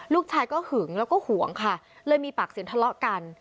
ลูกชายก็หึงแล้วก็ห่วงค่ะเลยมีปากเสียงทะเลาะกัน